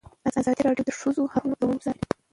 ازادي راډیو د د ښځو حقونه بدلونونه څارلي.